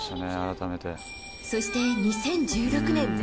そして、２０１６年。